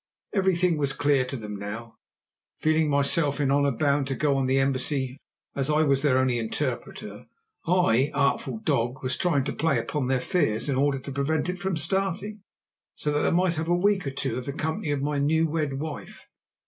Everything was clear to them now. Feeling myself in honour bound to go on the embassy, as I was their only interpreter, I, artful dog, was trying to play upon their fears in order to prevent it from starting, so that I might have a week or two of the company of my new wed wife.